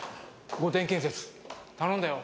御殿建設頼んだよ。